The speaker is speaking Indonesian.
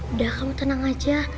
udah kamu tenang aja